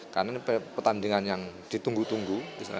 karena ini pertandingan yang ditunggu tunggu